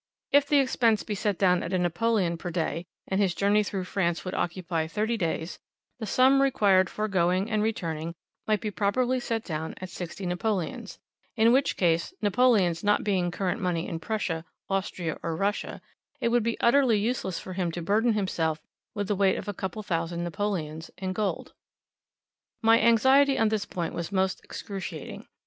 If the expense be set down at a napoleon per day, and his journey through France would occupy thirty days, the sum required forgoing and returning might be properly set down at sixty napoleons, in which case, napoleons not being current money in Prussia, Austria, or Russia, it would be utterly useless for him to burden himself with the weight of a couple of thousand napoleons in gold. My anxiety on this point was most excruciating.